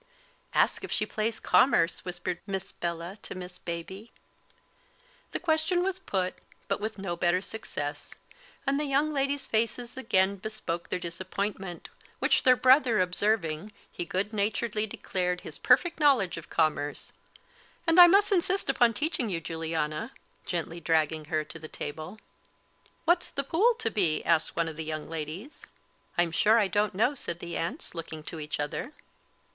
"Ask if she plays commerce," whispered Miss Bella to Miss Baby. The question was put, but with no better success, and the young ladies' faces again bespoke their disappointment, which their brother observing, he good naturedly declared his perfect knowledge of commerce; "and I must insist upon teaching you, Juliana," gently dragging her to the table. "What's the pool to be?" asked one of the young ladies. "I'm sure I don't know," said the aunts, looking to each other.